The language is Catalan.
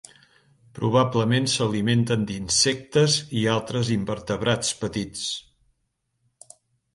Probablement s'alimenten d'insectes i altres invertebrats petits.